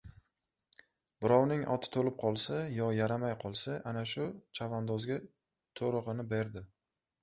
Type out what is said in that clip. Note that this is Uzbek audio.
Birovning oti tolib qolsa, yo yaramay qolsa, ana-shu chavandozga To‘rig‘ini berdi.